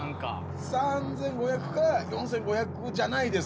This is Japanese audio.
３，５００か４，５００じゃないですかね。